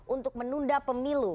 untuk menunda pemilu